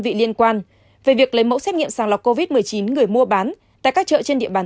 vị liên quan về việc lấy mẫu xét nghiệm sàng lọc covid một mươi chín người mua bán tại các chợ trên địa bàn